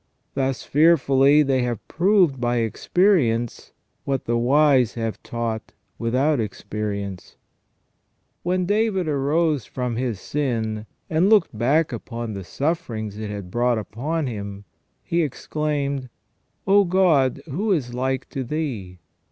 Thus fearfully have they proved by experience what the wise have taught without experience. 224 ON PENAL EVIL OR PUNISHMENT. When David arose from his sin, and looked back upon the sufferings it had brought upon him, he exclaimed :" Oh ! God, who is like to Thee